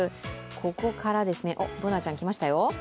ここから、Ｂｏｏｎａちゃんが来ましたよ